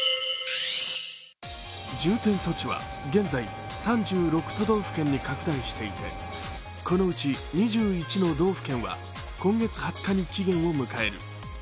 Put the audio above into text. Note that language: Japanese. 重点措置は現在、３６都道府県に拡大していてこのうち、２１の道府県は今月２０日に期限を迎える。